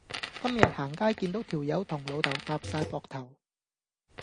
今日行街見到條友同老豆搭哂膊頭